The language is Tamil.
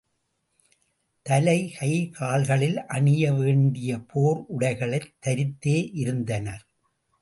தலை கை கால்களில் அணிய வேண்டிய போர் உடைகளைத் தரித்தே இருந்தனர்.